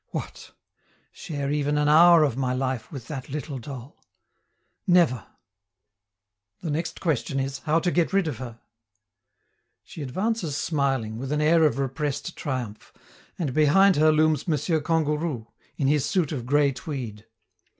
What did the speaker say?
What! share even an hour of my life with that little doll? Never! The next question is, how to get rid of her. She advances smiling, with an air of repressed triumph, and behind her looms M. Kangourou, in his suit of gray tweed.